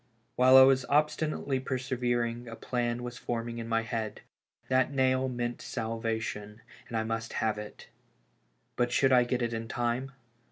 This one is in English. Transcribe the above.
While I was obstinately persevering, a plan was form BURIED ALIVE. 271 ing in my head. That nail meant salvation, and I must have it. But should I get it in time?